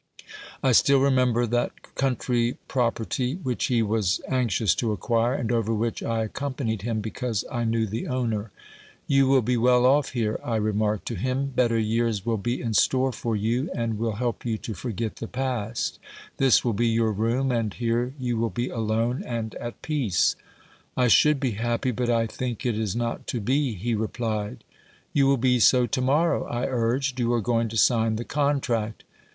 I still remember that country property which he was anxious to acquire, and over which I accompanied him because I knew the owner. " You will be well off here," I remarked to him ;" better years will be in store for you, and will help you to forget the past. This will be your room, and here you will be alone and at peace." " I should be happy, but I think it is not to be," he replied. " You will be so to morrow," I urged. " You are going to sign the contract."